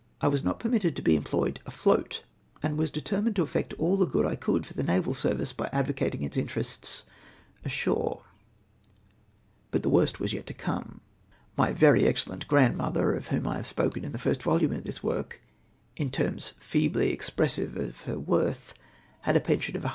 I was not permitted to be employed afloat^ and was determined to effect all the good I could for the naval service by advocating its interests nshore. But the worst was yet to come. My very excellent grandmother, of whom I have spoken in the first volume of this work in terms feebly expressive of her worth, had a pension of 100